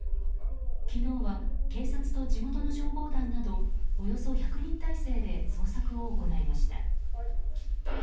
昨日は警察と地元の消防団などおよそ１００人態勢で捜索を行いました。